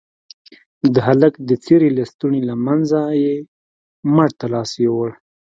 د هلك د څيرې لستوڼي له منځه يې مټ ته لاس يووړ.